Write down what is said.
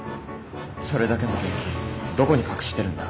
それだけの現金どこに隠してるんだ？